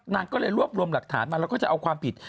นางก็เลยรวบรวมหลักฐานมาแล้วก็จะเอาความผิด